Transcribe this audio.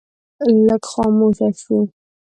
لږ خاموشه شو.